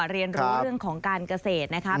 เรียนรู้เรื่องของการเกษตรนะคะ